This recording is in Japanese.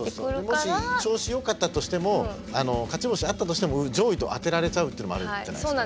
もし調子よかったとしても勝ち星あったとしても上位と当てられちゃうっていうのもあるじゃないですか。